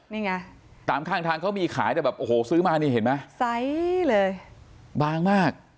นี่ไงตามข้างทางเขามีขายแต่แบบโอ้โหซื้อมานี่เห็นไหมไซส์เลยบางมาก